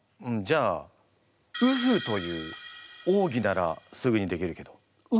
じゃあ禹歩という奥義ならすぐにできるけど。